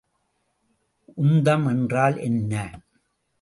உந்தம் என்றால் என்ன?